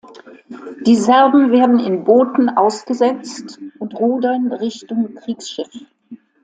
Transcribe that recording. Die Serben werden in Booten ausgesetzt und rudern Richtung Kriegsschiff.